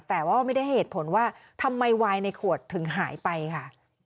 แต่ว่าไม่ได้เหตุผลว่าทำไมวายในขวดถึงหายไปค่ะ